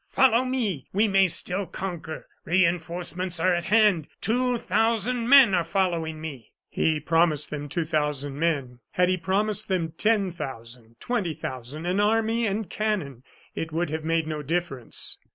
Follow me! We may still conquer. Reinforcements are at hand; two thousand men are following me!" He promised them two thousand men; had he promised them ten thousand, twenty thousand an army and cannon, it would have made no difference.